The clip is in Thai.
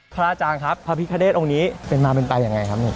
พระอาจารย์ครับพระพิฆเดชองค์นี้เป็นมาเป็นไปอย่างไรครับ